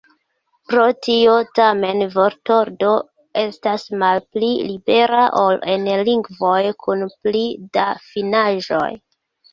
Pro tio, tamen, vortordo estas malpli libera, ol en lingvoj kun pli da finaĵoj.